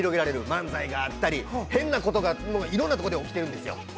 漫才があったり、変なことがいろんなところで起きてるんですよ。